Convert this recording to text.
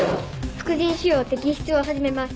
副腎腫瘍摘出を始めます。